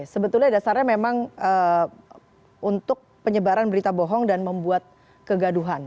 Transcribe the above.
sebetulnya dasarnya memang untuk penyebaran berita bohong dan membuat kegaduhan